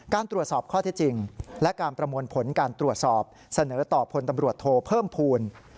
การตรวจสอบข้อที่จริงและการประมวลผลการตรวจสอบเสนอต่อพลตำรวจโทเพิ่มภูมิ